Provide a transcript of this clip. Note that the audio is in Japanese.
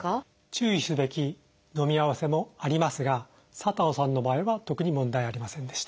注意すべきのみ合わせもありますが佐藤さんの場合は特に問題ありませんでした。